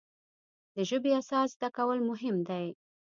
د ژبې اساس زده کول مهم دی.